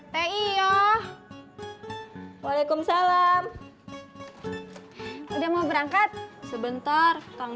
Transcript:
pergi berangkat sekarang